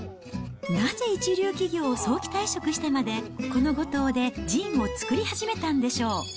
なぜ一流企業を早期退職してまで、この五島でジンを造り始めたんでしょう。